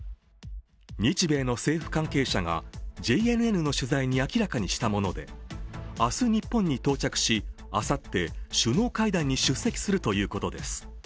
日米の政府関係者がＪＮＮの取材に明らかにしたもので明日、日本に到着し、あさって首脳会談に出席するということです。